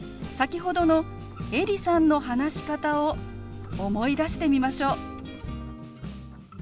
先ほどのエリさんの話し方を思い出してみましょう。